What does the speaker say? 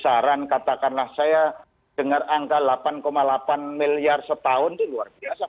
besaran katakanlah saya dengar angka delapan delapan miliar setahun itu luar biasa